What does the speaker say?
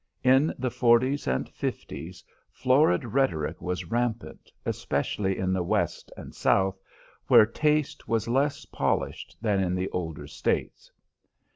In the forties and fifties florid rhetoric was rampant, especially in the West and South, where taste was less polished than in the older States.